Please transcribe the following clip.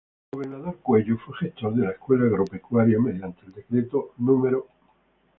El gobernador Cuello fue gestor de la Escuela Agropecuaria, mediante el decreto No.